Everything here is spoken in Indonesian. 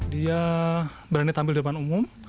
dia berani tampil di depan umum